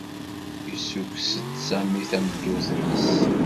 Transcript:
Yessukkes-d Sami tameddurt-nnes.